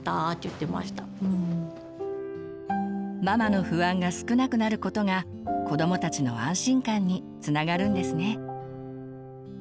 ママの不安が少なくなることが子どもたちの安心感につながるんですね。